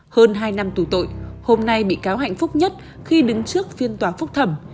hơn hai năm tù tội hôm nay bị cáo hạnh phúc nhất khi đứng trước phiên tòa phúc thẩm